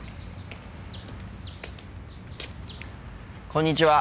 こんにちは。